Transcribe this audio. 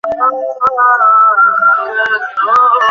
শুনেছিস কি বললাম?